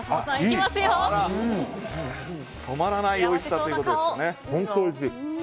止まらないおいしさということですかね。